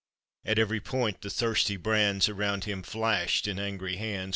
At every point the thirsty brands Around him flashed in angry hands.